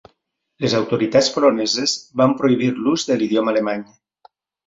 Les autoritats poloneses van prohibir l'ús de l'idioma alemany.